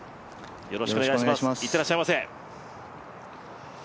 いってらっしゃいませ。